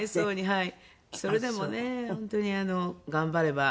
はい。